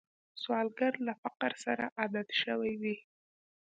سوالګر له فقر سره عادت شوی وي